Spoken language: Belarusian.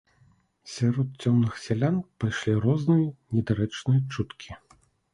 Сярод цёмных сялян пайшлі розныя недарэчныя чуткі.